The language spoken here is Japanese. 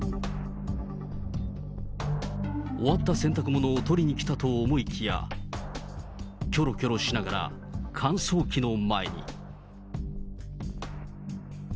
おわったせんたくものをとりにきたと思いきや、きょろきょろしながら、乾燥機の前に。